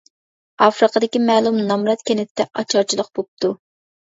ئافرىقىدىكى مەلۇم نامرات كەنتتە ئاچارچىلىق بوپتۇ.